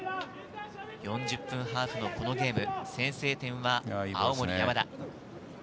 ４０分ハーフのこのゲーム、先制点は青森山田。